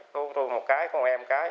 cô tôi một cái cô em một cái